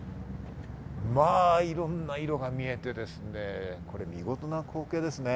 いろんな色が見えて見事な光景ですね。